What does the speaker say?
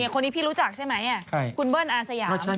คนที่พี่รู้จักใช่ไหมอ่ะคุณเบิ้ลอาเซอร์